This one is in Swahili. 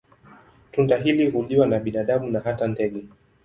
Tunda hili huliwa na binadamu na hata ndege.